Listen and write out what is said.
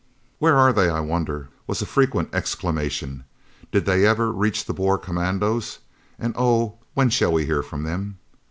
"Where are they, I wonder?" was a frequent exclamation. "Did they ever reach the Boer commandos, and oh, when shall we hear from them?"